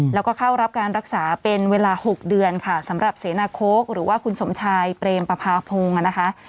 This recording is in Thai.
แล้วก็เข้ารับการรักษาเป็นเวลา๖เดือนค่ะสำหรับเสนาโค้กหรือว่าคุณสมชายเปรมประพาพงศ์นะคะ